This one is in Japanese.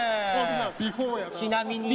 ちなみに。